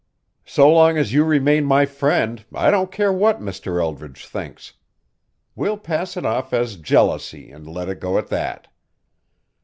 So long as you remain my friend I don't care what Mr. Eldridge thinks. We'll pass it off as jealousy and let it go at that."